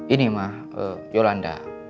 ini ma yolanda